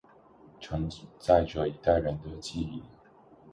承载着一代人的记忆